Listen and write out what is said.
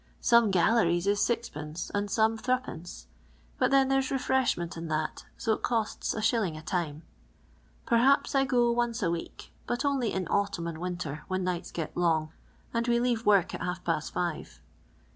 Some galleries is 6d^ aud some 2d ; but then there *s refreshment and that, fco it cosu 1«. a time. Per haps I go once a week, but only in autumn and winter, when nights get long, and we leave work at bnif past fire.